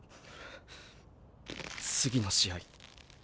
次の試合